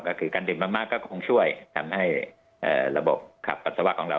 ก็คือการดื่มมากก็คงช่วยทำให้ระบบขับปัสสาวะของเรา